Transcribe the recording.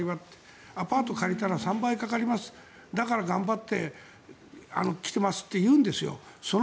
アパートを借りたら３倍かかりますだから頑張って来てますと言うんですよ。